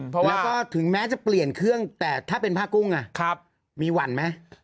แล้วก็ถึงแม้จะเปลี่ยนเครื่องแต่ถ้าเป็นผ้ากุ้งมีหวั่นไหม